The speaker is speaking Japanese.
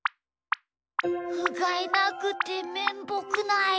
ふがいなくてめんぼくない。